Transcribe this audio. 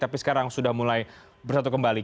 tapi sekarang sudah mulai bersatu kembali